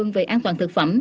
đồng ương về an toàn thực phẩm